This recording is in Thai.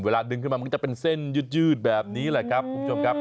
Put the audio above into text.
ดึงขึ้นมามันก็จะเป็นเส้นยืดแบบนี้แหละครับคุณผู้ชมครับ